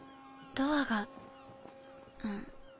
ドアがん。